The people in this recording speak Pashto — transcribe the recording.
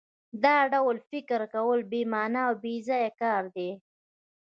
دا ډول فکر کول بې مانا او بېځایه کار دی